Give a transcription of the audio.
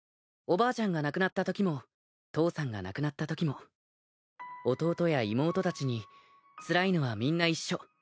おばあちゃんが亡くなったときも父さんが亡くなったときも弟や妹たちに「つらいのはみんな一緒」